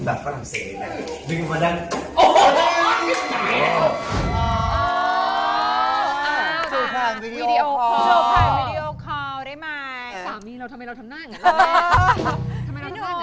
โทรไว้การได้ไหม